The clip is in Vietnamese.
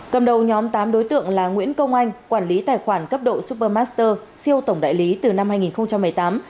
cầm đầu nhóm tám đối tượng là nguyễn công anh quản lý tài khoản cấp độ super master siêu tổng đại lý từ năm hai nghìn một mươi tám